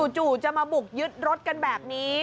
จู่จะมาบุกยึดรถกันแบบนี้